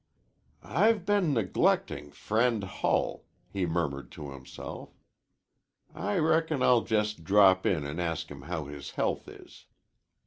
"I've been neglecting friend Hull," he murmured to himself. "I reckon I'll just drop in an' ask him how his health is."